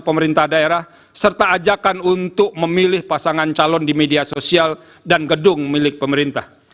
pemerintah daerah serta ajakan untuk memilih pasangan calon di media sosial dan gedung milik pemerintah